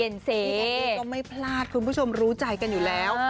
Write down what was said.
พี่แคนดี้ก็ไม่พลาดคุณผู้ชมรู้ใจกันอยู่แล้ว